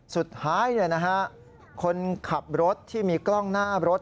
สุดท้ายคนขับรถที่มีกล้องหน้ารถ